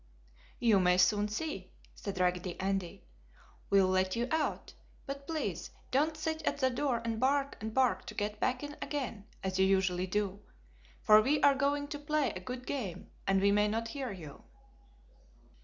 "You may soon see!" said Raggedy Andy. "We'll let you out, but please don't sit at the door and bark and bark to get back in again, as you usually do, for we are going to play a good game and we may not hear you!"